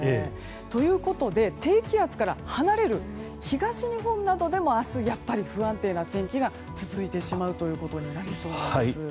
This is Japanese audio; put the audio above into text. ということで、低気圧から離れる東日本などでも明日、やっぱり不安定な天気が続いてしまうことになりそうです。